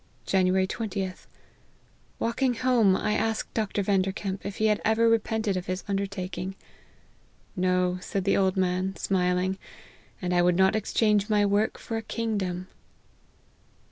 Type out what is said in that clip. '" January 20th. Walking home, I asked Dr. Yanderkemp if he had ever repented of his under taking, No, said the old man, smiling, and I would not exchange my work for a kingdom.